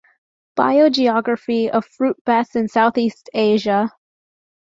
Biogeography of fruit bats in Southeast Asia.